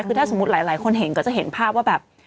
คือถ้าสมมุติหลายคนเห็นก็จะเห็นภาพว่าแบบ